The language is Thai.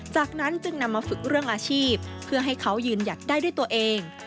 จากนั้นจึงนำมาฝึกเรื่องอาชีพเพื่อให้เขายืนหยัดได้ด้วยตัวเอง